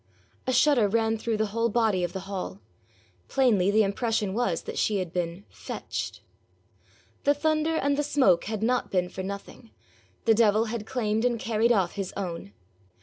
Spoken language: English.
A shudder ran through the whole body of the hall. Plainly the impression was that she had been FETCHED. The thunder and the smoke had not been for nothing: the devil had claimed and carried off his own!